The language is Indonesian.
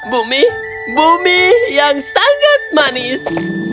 bumi bumi yang sangat manis